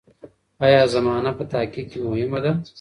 ایا زمانه په تحقیق کې مهمه ده؟